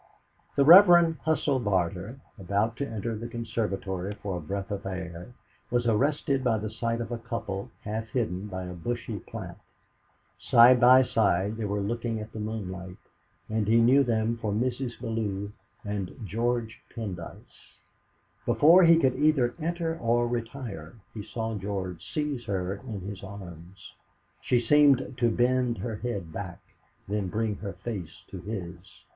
The Reverend Husell Barter, about to enter the conservatory for a breath of air, was arrested by the sight of a couple half hidden by a bushy plant; side by side they were looking at the moonlight, and he knew them for Mrs. Bellew and George Pendyce. Before he could either enter or retire, he saw George seize her in his arms. She seemed to bend her head back, then bring her face to his.